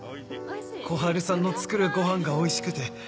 小春さんの作るごはんがおいしくて。